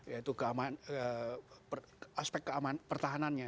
yaitu aspek keamanan pertahanannya